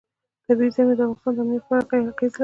طبیعي زیرمې د افغانستان د امنیت په اړه هم اغېز لري.